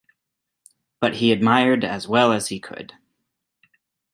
But he admired as well as he could.